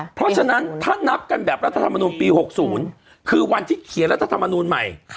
เพราะฉะนั้นถ้านับกันแบบรัฐธรรมนูลปี๖๐คือวันที่เขียนรัฐธรรมนูลใหม่